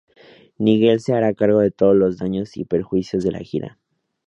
Nigel se hará cargo de todos los daños y perjuicios de la gira.